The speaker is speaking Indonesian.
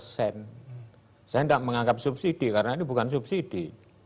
saya tidak menganggap subsidi karena ini bukan subsidi